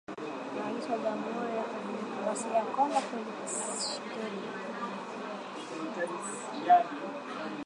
Rais wa Jamhuri ya kidemokrasia ya Kongo, Felix Tshisekedi